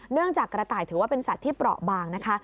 จากกระต่ายถือว่าเป็นสัตว์ที่เปราะบางนะคะ